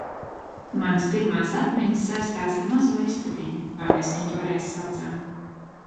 Manas pirmās atmiņas saistās ar mazo istabiņu, kā mēs viņu toreiz saucām.